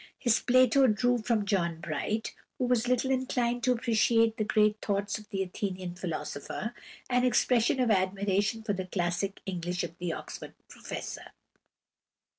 His Plato drew from John Bright, who was little inclined to appreciate the great thoughts of the Athenian philosopher, an expression of admiration for the classic English of the Oxford professor.